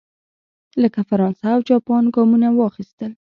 لکه فرانسه او جاپان ګامونه واخیستل.